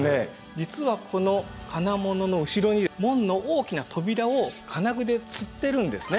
実はこの金物の後ろに門の大きな扉を金具でつってるんですね。